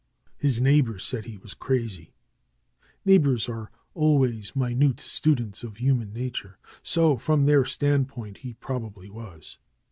His neighbors said he was crazy. Neighbors are al ways minute students of human nature. So, from their standpoint, he probably was.